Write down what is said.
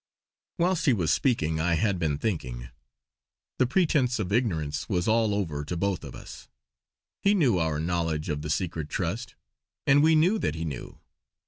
Whilst he was speaking I had been thinking. The pretence of ignorance was all over to both of us; he knew our knowledge of the secret trust, and we knew that he knew.